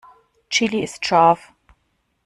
Chili ist scharf.